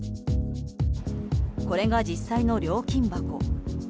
これが実際の料金箱。